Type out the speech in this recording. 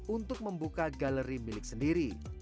untuk membuka galeri milik sendiri